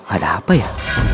ada apa ya